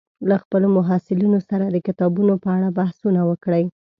له خپلو محصلینو سره د کتابونو په اړه بحثونه وکړئ